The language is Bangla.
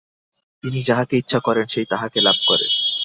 তিনি যাহাকে ইচ্ছা করেন, সেই তাঁহাকে লাভ করে।